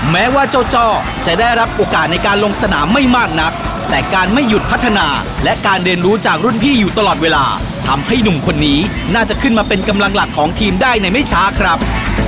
แม้ว่าเจ้าจ้อจะได้รับโอกาสในการลงสนามไม่มากนักแต่การไม่หยุดพัฒนาและการเรียนรู้จากรุ่นพี่อยู่ตลอดเวลาทำให้หนุ่มคนนี้น่าจะขึ้นมาเป็นกำลังหลักของทีมได้ในไม่ช้าครับ